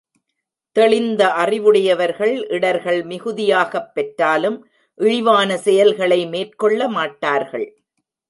தெளிந்த அறிவுடையவர்கள் இடர்கள் மிகுதியாகப் பெற்றாலும் இழிவான செயல்களை மேற்கொள்ள மாட்டார்கள்.